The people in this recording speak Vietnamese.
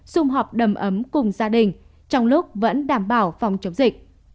xung họp đầm ấm cùng gia đình trong lúc vẫn đảm bảo phòng chống dịch